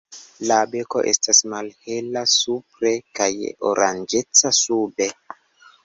La beko estas malhela supre kaj oranĝeca sube.